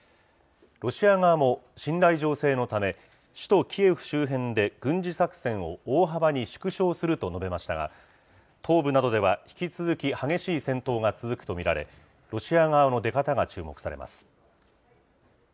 ロシア側も、信頼醸成のため、首都キエフ周辺で軍事作戦を大幅に縮小すると述べましたが、東部などでは引き続き、激しい戦闘が続くと見られ、ロシア側の出方が注目されます。